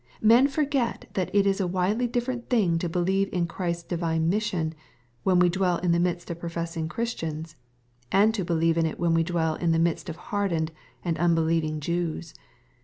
Men forget that it is a widely different thing to believe in Christ's divine mission, when we dwell in the midst of professing Christians, and to believe in it when we dwell in the midst of hardened and unbelieving Jews.